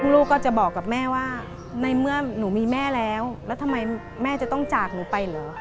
ลูกก็จะบอกกับแม่ว่าในเมื่อหนูมีแม่แล้วแล้วทำไมแม่จะต้องจากหนูไปเหรอ